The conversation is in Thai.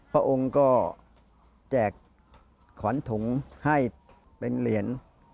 พระองค์ก็แจกขอนถุงให้เป็นเหรียญ